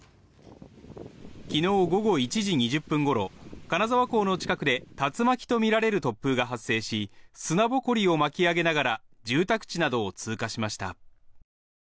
昨日午後１時２０分ごろ金沢港の近くで竜巻とみられる突風が発生し砂ぼこりを巻き上げながら住宅地などを通過しました。